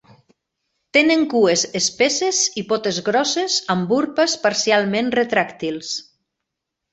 Tenen cues espesses i potes grosses amb urpes parcialment retràctils.